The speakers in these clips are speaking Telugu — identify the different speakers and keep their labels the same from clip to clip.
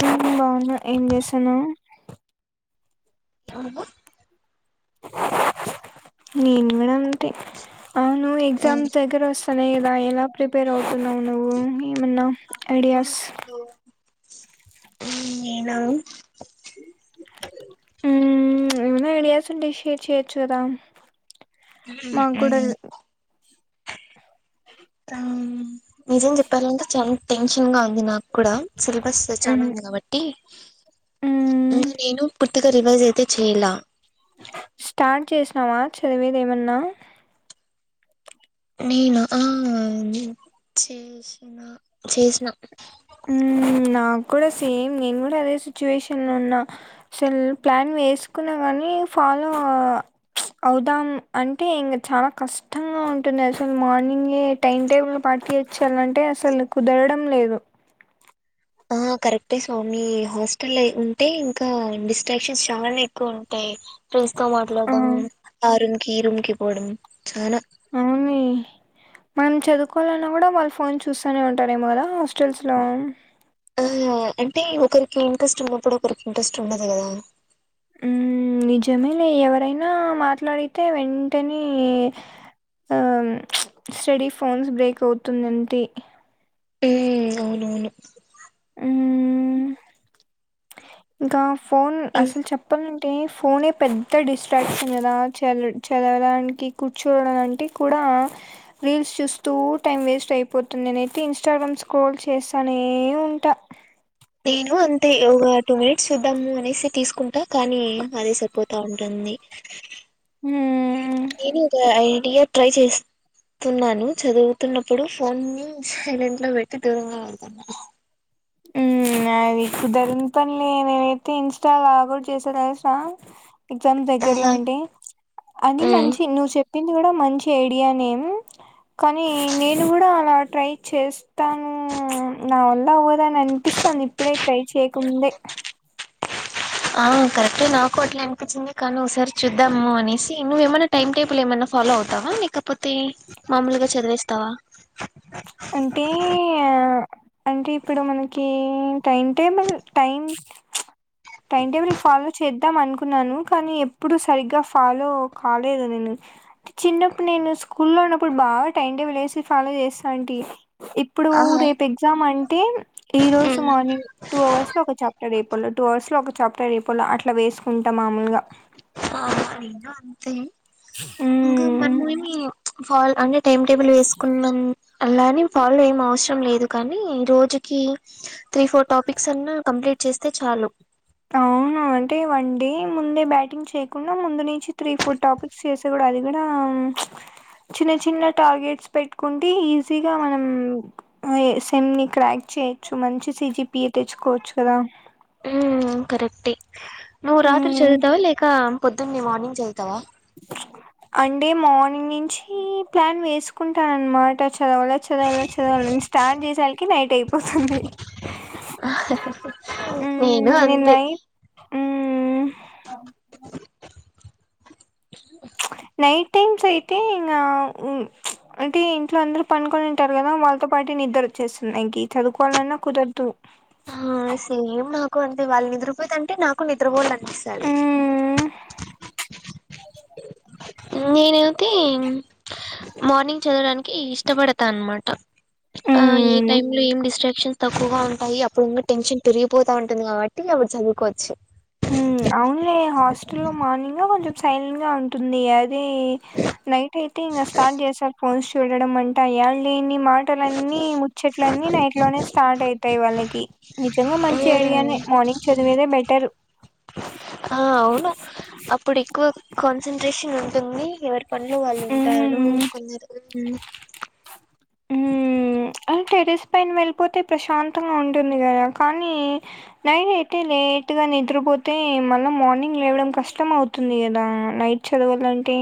Speaker 1: హమ్ బాగున్న ఏం చేస్తున్నావు
Speaker 2: అవున్
Speaker 1: నేను కూడా అంతే అవును ఎగ్జామ్స్ దగ్గర వస్త అదే కదా ఎలా ప్రిపేర్ అవుతున్నావు నువ్వు ఏమన్నా ఐడియాస్
Speaker 2: హ్మ్మ్ నీ ను
Speaker 1: హ్మ్మ్ ఏమైన ఐడియాస్ ఉంటే షేర్ చెయ్యోచు కదా మాకు కూడా
Speaker 2: హ్మ్మ్ హ నిజం చెప్పాలంటే చాలా టెన్షన్ గా ఉంది నాకు కూడా సిలబస్ చాలా
Speaker 1: ఉమ్
Speaker 2: ఉంది కాబట్టి
Speaker 1: ఉమ్
Speaker 2: నేను పూర్తిగా రివైజ్ అయితే చేయలా
Speaker 1: స్టార్ట్ చేసినావా చదివేది ఏమన్నా
Speaker 2: నేనా ఆ చేసిన చేసిన
Speaker 1: ఉమ్ నాకు కూడా సేమ్ నేను కూడా అదే సిచ్యువేషన్ లో ఉన్నా అసలు ప్లాన్ వేసుకున్నా కాని ఫాలో అవుదాం అంటే ఇంగ చాల కష్టంగా ఉంటుంది అసలు మార్నింగే టైం టేబుల్ ప [unintelligible] అసలు కుదరడం లేదు
Speaker 2: ఆ కరెక్టే స్వామి హాస్టల్ ఉంటే ఇంకా డిస్ట్రాక్షన్స్ చాలానే ఎక్కువ ఉంటాయి ఫ్రెండ్స్ తో
Speaker 1: ఆ!
Speaker 2: మాట్లాడడం ఆ రూమ్కి ఈ రూమ్కి పోవడం చాన
Speaker 1: అవునే. మనం చదువుకోవాలన్నా కూడ వాళ్ళు ఫోన్ చూస్తూనే ఉంటారేమో కదా
Speaker 2: ఆ
Speaker 1: [unintelligible]
Speaker 2: అంటే ఒకరికి ఇంట్రెస్ట్ ఉన్నప్పుడు ఒకరికి ఇంట్రెస్ట్ ఉండదు కదా
Speaker 1: ఉ నిజమేలే ఎవరైన మాట్లాడితే వెంటనే ఆ స్టడీ ఫోన్స్ బ్రేక్ అవుతుంది [unintelligible]
Speaker 2: హ్మ్ అవునవును
Speaker 1: ఊ ఇంకా ఫోన్
Speaker 2: ఇం
Speaker 1: అసలు చెప్ప అంటే ఫోనే పెద్ద డిస్ట్రాక్షన్ కదా చదవడానికి కూర్చోడానికి కూడ ఆ రీల్స్ చూస్తూ టైమ్ వేస్ట్ అయిపోతుంది నేనయితే ఇన్స్టాగ్రామ్ స్క్రోల్ చేస్తా నే ఉంట
Speaker 2: నేను అంతే ఒక టూ మినిట్స్ చూద్దాము అనేసి తీసుకుంటా కానీ అదే సరిపోతా ఉ నేను
Speaker 1: ఉమ్
Speaker 2: ఒక ఐడియ ట్రై చేస్ తున్నాను చదువుతున్నప్పుడు ఫోన్ సైలెంట్ లో పెట్టి దూరంగ [unintelligible]
Speaker 1: హు నాది కుదరని పనిలే నేనైతే ఇన్స్టా లాగౌట్ చేశ తెలుసా ఎగ్జామ్స్ దగ్గరలో
Speaker 2: ఆహా
Speaker 1: అంటే అది
Speaker 2: ఉమ్
Speaker 1: మంచి నువ్ చె ప్పింది ఇది కూడ మంచి ఐడియానే కానీ నేను కూడా అలా ట్రై చేస్తాను నా వల్ల అవ అని అనిపిస్తాది ఇప్పుడే ట్రై చేయకముందే
Speaker 2: ఆ కరెక్ట్యే నాకు అట్లే అనిపించింది కానీ ఒకసారి చూద్దాము అనేసి నువ్వేమైన్నా టైమ్ టేబుల్ ఏమన్న ఫాలో అవుతావ లేకపోతే మామూలుగా చదివేస్తావ
Speaker 1: అంటే అంటే ఇప్పుడు మనకి time table time time table follow చేద్దాం అను న్నాను కానీ ఎప్పుడు సరిగ్గ ఫాలో కాలేదు నేనుే చిన్నప్పుడు నేను స్కూల్లో [unintelligible] బాగ టైం టేబుల్ వేసి ఫాలో చేస్తా ఇప్పుడు
Speaker 2: ఆహా
Speaker 1: రేపు ఎగ్జామ్ అంటే ఈ రోజు
Speaker 2: ఉమ్
Speaker 1: మార్నింగ్ టూ అవర్స్ లో ఒక చాప్టర్ అయిపోవాల టూ అవర్స్ లో ఒక చాప్టర్ అయిపొల్ల అట్లా వేసుకుంటా మామూలుగ
Speaker 2: అ ఇంకా
Speaker 1: మ్మ్.
Speaker 2: మనమే మి ఫాల్ అంటే టైమ్ టేబుల్ వేసుకున్న లాని ఫాల్ ఏం అవసరం లేదు కానీ రోజుకి త్రీ ఫోర్ టాపిక్స్ అన్న కంప్లీట్ చేస్తే చాలు
Speaker 1: అవును అంటే వన్ డే ముందే బ్యాటింగ్ చేయకుండ ముందు నుంచి త్రీ ఫోర్ టాపిస్ చేసి కూడ అది గుడ చిన్న చిన్న టార్గెట్స్ పెట్టుకుంటే ఈజీగా మనం సెమ్ ని క్రాక్ చేయొచ్చు మంచి సీజీపిఏ తెచ్చుకోవచ్చు కద
Speaker 2: కరెక్టే నువ్వు రాత్రి
Speaker 1: మ్మ్.
Speaker 2: చదువుతావ లేక పొద్దున్న మార్నింగ్ చదువుతావ
Speaker 1: అంటే మార్నింగ్ నుంచి ప్లాన్ వేసుకుంటా అనమాట చదవల చదవల చదవాల స్టార్ట్ చేసాలకి నైట్ అయిపోతుంది
Speaker 2: నేను
Speaker 1: నిన్న
Speaker 2: అంతే
Speaker 1: నైట్ నై టైమ్స్ అయితే ఇంగ అంటే ఇంట్లో అందరు పనుకొనింటారు కద వాళ్ళతో పాటు నిద్రో చేస్తున్నాయి ఇంక చదుకోవాలన్నా కుదరదు
Speaker 2: ఆ సేమ్ నాకు అంతే వాళ్ళు నిద్రపోతంటే నాకు నిద్రపోలనిపిస్తది
Speaker 1: ఉమ్
Speaker 2: నేనైతే మార్నింగ్ చదవడానికి ఇష్టపడత అనమాట ఆ ఏ
Speaker 1: ఉమ్
Speaker 2: టైమ్ లో ఏం డిస్ట్రాక్షన్స్ తక్కువగా ఉంటాయి అప్పుడుంకా టెన్షన్ పెరిగిపోతా ఉంటుంది కాబట్టి అప్పుడు చదువుకోవచ్చు
Speaker 1: అవున్లే హాస్టల్ లో మార్నింగ్ కొంచెం సైలెంట్ గా ఉంటుందిది అదే నైట్ అయితే ఇంకా స్టార్ట్ చేసారు ఫోన్స్ చూడడం అంటా యడలేని కొన్ని మాటలన్నీ ముచ్చట్లన్నీ నైట్ లోనే స్టార్ట్ అయితాయి వాళ్ళకి నిజంగా మంచి ఐడియా
Speaker 2: మ్మ్
Speaker 1: మార్నింగ్ చదివేదే బెటర్
Speaker 2: ఆ అవును అప్పుడు ఎక్కువ కాన్సన్ంట్రేషన్ ఉంటుంది ఎవరి పనులు వాళ్ళు ఉంటారు
Speaker 1: ఉమ్
Speaker 2: కొందరు
Speaker 1: అంటరస్ పైన వెళ్ళిపోతే ప్రశాంతంగా ఉంటుంది కదా కానీ నైట్ అయితే లేట్గా నిద్ర కాకపోతే మళ్ళీ మార్నింగ్ లేవడం కష్టం అవుతుంది కదా నైట్ చదవాలంటే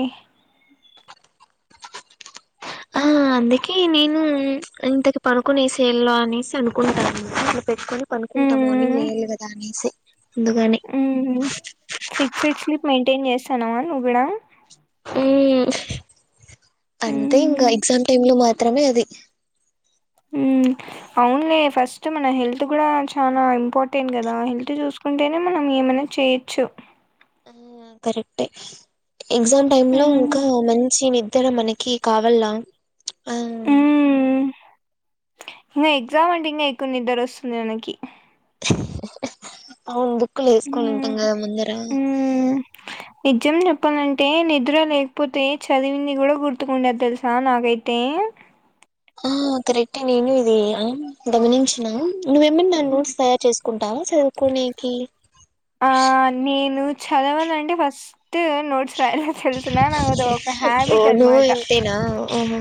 Speaker 2: ఆ అందుకే నేను ఇంతకి పనుకునే సేల్లో అనేసి అనుకుంటాను పెట్టుకొని పనుకుంటా మార్నింగ్ లేయాలి కదా అనేసి ముందుగానే
Speaker 1: ఫిక్సెడ్ స్లీప్ మెయింటైన్ చేస్తానవా నువ్వు కూడా
Speaker 2: అంటే ఇంకా
Speaker 1: హ్మ్.
Speaker 2: ఎగ్జామ్ టైమ్ లో మాత్రమే అది
Speaker 1: హ అవున్లే ఫస్ట్ మన హెల్త్ కూడా చాలా ఇంపార్టెంట్ కదా హెల్త్ చూసుకుంటేనే మనం ఏం అన చేయిచ్చు
Speaker 2: ఆ కరెక్టే ఎగ్జామ్ టైమ్ లో
Speaker 1: హ్మ్.
Speaker 2: ఇంకా మంచి నిద ఇతర మనకి కావల్ల ఆ
Speaker 1: ఇంకా ఎగ్జామ్ అంటే ఇంకా ఎక్కున్ని నిద్దర వస్తుంది మనకి
Speaker 2: అవును బుక్కులు వేసుకొని ఉంటాం
Speaker 1: హ్మ్.
Speaker 2: కదా ముందర
Speaker 1: హ్మ్. నిజం చెప్పాలంటే నిద్ర లేకపోతే చదివింది కూడా గుర్తుకుండారు తెలుసా నాకైతే
Speaker 2: ఆ కరెక్టే నేను ఇది గమనించినా నువ్వేమన్నా నా
Speaker 1: హ్మ్.
Speaker 2: నోట్స్ తయారు చేసుకుంటావా సరే చదువుకునికి
Speaker 1: ఆ నేను చదవాలండి ఫస్ట్ ఫస్ట్ నోట్స్ రాయల తెలుసిన నాకు అద ఒక హ్యాబిట్ అన్న మాట
Speaker 2: అ హా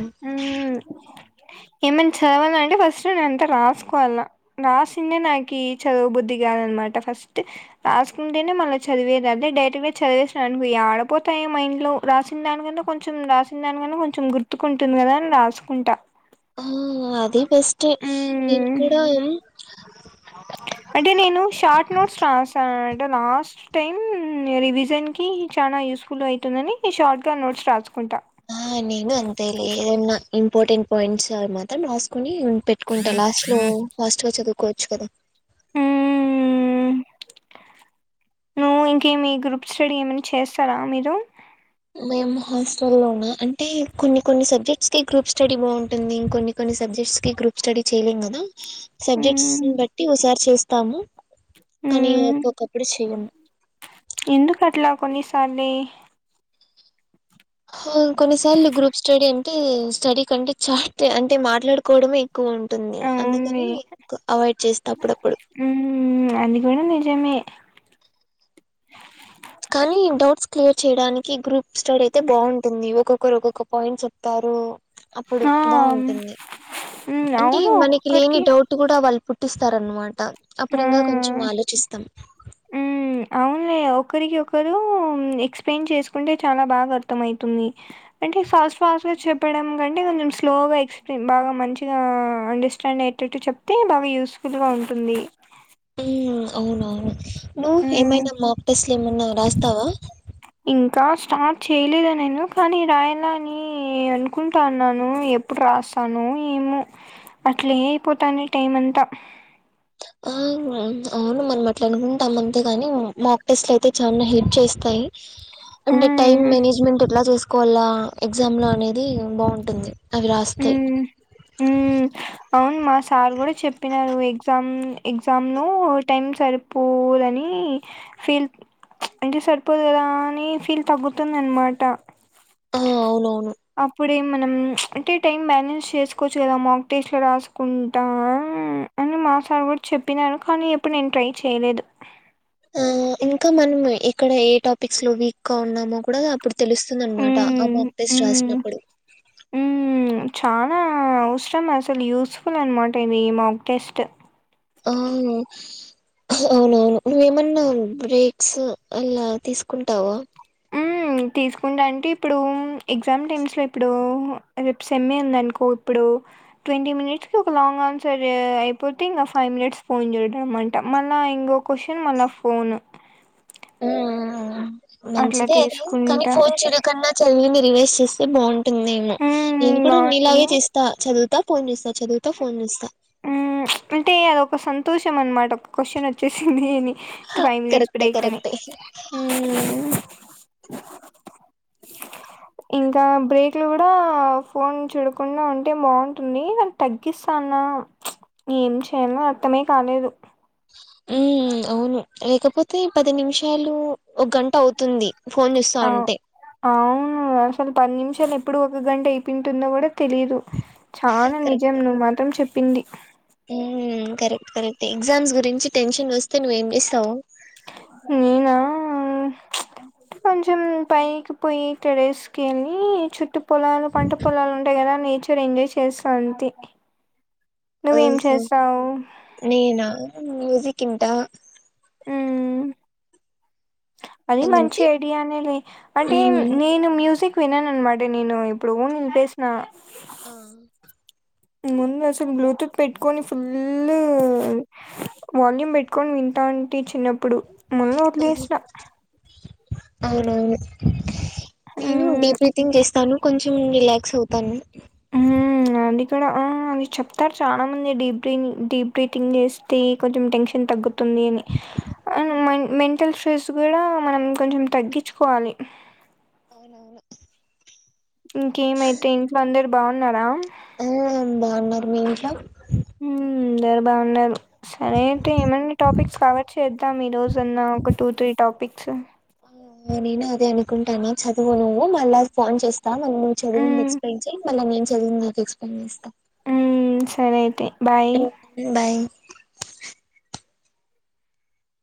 Speaker 1: ఏమనా చదవాల అంటే ఫస్ట్ నేన అంతా రాసుకోవాల రాసిందే నాకు చదువు బుద్ధి కాదనమట ఫస్ట్ రాసుకుంటేనే మళ్ళీ చదివేది అదే డైరెక్ట్ గా చదివేసిన అనుకో ఆడపోతాయో మైండ్ లో రాసిన దానికన్నా కొంచెం రాసిన దానికని కొంచెం గుర్తుకుంటుంది కదా అని రాసుకుంటా
Speaker 2: ఆ అదే బెస్ట్ నేను
Speaker 1: హ్మ్.
Speaker 2: కూడా
Speaker 1: అంటే నేను షార్ట్ నోట్స్ రాసానంట లాస్ట్ టైం రివిజన్కి చాలా యూస్ఫుల్ అవుతుందని షార్ట్గా నోట్స్ రాసుకుంటా
Speaker 2: ఆ నేను అంతేలి ఏదైన్నా ఇంపార్టెంట్ పాయింట్స్ మాత్రం రాసుకుని ఉ పెట్టుకుంటా లాస్ట్ లో ఫాస్ట్ గా చదువుకోవచ్చు కదా
Speaker 1: ఆ నువ్వు ఇంక మీ గ్రూప్ స్టడీ ఏమైనా చేస్తారా మీరు
Speaker 2: మేము హాస్టలోనా అంటే కొన్ని కొన్ని సబ్జెక్ట్స్ కి గ్రూప్ స్టడీ బాగుంటుంది కొన్ని కొన్ని సబ్ సబ్జెక్ట్ కి గ్రూప్ స్టడీ చేయలేము కదా సబ్జెక్ట్స్
Speaker 1: మ్మ్
Speaker 2: బట్టి ఓ సారి చేస్తాము కానీ
Speaker 1: మ్మ్
Speaker 2: ఒక్కొక్కప్పుడు చెయము
Speaker 1: కానీ
Speaker 2: కొన్నిసార్లు గ్రూప్ స్టడీ అంటే స్టడీ కంటే చార్ట్ అంటే మాట్లాడుకోవడమే ఎక్కువ ఉంటుంది
Speaker 1: అవును
Speaker 2: అందుకని అవాయిడ్ చేస్తే అప్పుడప్పుడు
Speaker 1: అంది కూడా నిజమే
Speaker 2: కానీ డౌట్స్ క్లియర్ చేయడానికి గ్రూప్ స్టడీ అయితే బాగుంటుంది ఒక్కొక్కరు ఒక్కొక్క పాయింట్స్ చెప్తారు అప్పుడు
Speaker 1: ఆ
Speaker 2: బాగుంటుంది
Speaker 1: మ్మ్
Speaker 2: అంటే
Speaker 1: అవును
Speaker 2: మనకి లేని
Speaker 1: ఒక్కొక్కరికి
Speaker 2: డౌట్ కూడా వాళ్ళు పు పుట్టిస్తారనమాట అప్పుడు ఇంకా కొంచెం
Speaker 1: ఆ
Speaker 2: ఆలోచిస్తాం
Speaker 1: హ్మ్. అవునులే. ఒకరికి ఒకరు ఎక్స్ప్లెయిన్ చేసుకుంటే చాలా బాగా అర్థం అవుతుంది అంటే ఫస్ట్ ఫాస్ట్ చెప్పడం కంటే కొంచెం స్లో గా ఎక్స్ప్లెయిన్ బాగా మంచిగా అండర్స్టాండ్ అయేటట్టు చెప్తే బాగా యూస్ఫుల్ గా ఉంటుంది
Speaker 2: ఉ అవునవును నువ్వు
Speaker 1: హ్మ్.
Speaker 2: ఏమైనా మాక్ టెస్ట్ లు ఏమన్నా రాస్తావా
Speaker 1: ఇంకా స్టార్ట్ చేయలేదు నేను కానీ రాయాల అని అనుకుంటాన్నాను ఎప్పుడు రాస్తానో తను ఏమో అట్లే అయిపోతాంది టైం అంతా
Speaker 2: ఆ, అవును మనం అట్లా అనుకుంటాం అంతేగాని మాక్ టెస్ట్లు అయితే చాలా హెల్ప్ చేస్తాయి అంటే టైమ్
Speaker 1: హ్మ్.
Speaker 2: మేనేజ్మెంట్ ఎట్లా చేసుకోవాలా ఎగ్జామ్ లో అనేది బాగుంటుంది అవి రాస్తే
Speaker 1: హ్మ్. హ్మ్. అవును మా సార్ కూడా చెప్పినారు ఎగ్జామ్ ఎగ్జామ్ లో టైం సరిపోదని ఫీల్ అంటే సరిపోదు కదా అని ఫీల్ తగ్గుతుంది అన్న మాట
Speaker 2: ఆ అవును అవును
Speaker 1: ఇప్పుడే మనం అంటే టైం బ్యాలెన్స్ చేసుకోవచ్చు కదా మాకు టెస్ట్ లు రాసుకుంటా అని మా సార్ కూడా చెప్పినారు కానీ ఎప్పుడు నేను ట్రై చేయలేదు
Speaker 2: ఆ ఇంకా మనం ఇక్కడ ఏ టాపిక్స్ లో వీక్ గా ఉన్నామో కూడా అప్పుడు తెలుస్తుంది అన్నమాట రాసినప్పుడు
Speaker 1: ఉ ఉ చాలా అవసరం అసలు యూస్ఫుల్ అన్న మాట ఇది మాక్ టెస్ట్
Speaker 2: అవును అవునవును నువ్వేమన్నా బ్రేక్స్ అలా తీసుకుంటావా
Speaker 1: ఉ తీసుకుంటా అంటే ఇప్పుడు ఎగ్జామ్ టైమ్స్ లో ఇప్పుడు రేపు సెమే ఉంది అనుకో ఇప్పుడు ట్వంటీ మినిట్స్కి ఒక లాంగ్ ఆన్సర్ అయిపోతే ఇంకా ఫైవ్ మినిట్స్ ఫోన్ చూడడం అన్ట మల్ల ఇంకో క్వశ్చన్ మల్ల ఫోను
Speaker 2: ఆ అ అ
Speaker 1: అట్లా
Speaker 2: మంచిదే అది కానీ
Speaker 1: తీసుకుంటా.
Speaker 2: ఫోన్ చూడకుండా చదివిన రివైజ్ చేస్తే బాగుంటుంది ఏమో
Speaker 1: హ్మ్.
Speaker 2: నేను కూడా నీలాగే
Speaker 1: బావుంటుంది.
Speaker 2: చేస్తా చదువుతా ఫోన్ చూస్త చదువుత ఫోన్ చూస్తా
Speaker 1: ఉ అంటే అదొక సంతోషం అనమాట ఒక క్వశ్చన్ వచ్చేసింది అని ఫైవ్ మినిట్స్
Speaker 2: కరెక్టే
Speaker 1: బ్రేక్ అని
Speaker 2: కరెక్టే
Speaker 1: ఇంకా బ్రేక్లో కూడా ఫోన్ చూడకుండా ఉంటే బాగుంటుంది దాని తగ్గిస్తా న్నా ఏం చేయాలో అర్థమే కాలేదు
Speaker 2: ఉ అవును లేకపోతే పది నిమిషాలు ఒక గంట అవుతుంది ఫోన్ చూస్తా
Speaker 1: అవు
Speaker 2: ఉంటే
Speaker 1: అవును అసలు పది నిమిషాలు ఎప్పుడు ఒక గంట అయిపోయింటుందో కూడా తెలీదు చానా
Speaker 2: కరెక్ట్
Speaker 1: నిజం నువ్వు మాత్రం చెప్పింది
Speaker 2: హ్మ్ కరెక్ట్ కరెక్ట్ ఎగ్జామ్స్ గురించి టెన్షన్ వస్తే నువ్వు ఏం చేస్తావు
Speaker 1: నేనా కొంచెం పైకి పోయి టెర్రస్ కెళ్ళి చుట్టు పొలాలు పంట పొలాలు ఉంటాయి కదా నేచర్ ఎంజాయ్ చేస్త అంతే నువ్వేం
Speaker 2: ఓహో
Speaker 1: చేస్తావు
Speaker 2: నేనా మ్యూజిక్ వింట
Speaker 1: మ్మ్. అది మంచి
Speaker 2: అంతే
Speaker 1: ఐడియా నే లే అంటే
Speaker 2: హ్మ్
Speaker 1: నేను మ్యూజిక్ వినను అనమాట నేను ఎప్పుడో నింపేసిన
Speaker 2: ఆ
Speaker 1: ముందు అసలు బ్లూటూత్ పెట్టుకొని ఫుల్ వాల్యూమ్ పెట్టుకొని వి వింటాంటి చిన్నప్పుడు మల్ల వది
Speaker 2: అవును.
Speaker 1: లేసిన
Speaker 2: అవునవును నేను
Speaker 1: మ్మ్
Speaker 2: డీప్ బ్రీతింగ్ చేస్తాను కొంచెం రిలాక్స్ అవుతాను
Speaker 1: ఆ అది కూడా ఆ అది చెప్తారు చాలా మంది డీప్ బ్రీ డీప్ బ్రీతింగ్ చేస్తే కొంచెం టెన్షన్ తగ్గుతుంది అని అండ్ మెంటల్ స్ట్రెస్ కూడా మనం కొంచెం తగ్గించుకోవాలి అ
Speaker 2: అవునవును
Speaker 1: ఇంకేం అయితే ఇంట్లో అందరు బాగున్నారా
Speaker 2: ఆ బాగున్నారు మీ ఇంట్లో
Speaker 1: మ్మ్ అందరు బాగున్నారు సరే అయితే ఏమన్నా టాపిక్స్ రావచ్చు చేద్దాం ఈ రోజు అన్న ఒక టూ త్రీ టాపిక్స్
Speaker 2: అ ఆ నేను అదే అనుకుంటాన్న చదువు నువ్వు మళ్ళ ఫోన్ చేస్తాను అన్ని నువ్వు చదువింది
Speaker 1: మ్మ్
Speaker 2: ఎక్స్ ప్లెయిన్ చేయి మళ్ళ నినే చదివింది నీకు ఎక్స్ ప్లెయిన్ చేస్తా
Speaker 1: మ్మ్ సరే అయితే బాయ్
Speaker 2: [unintelligible] ఉన్నాయి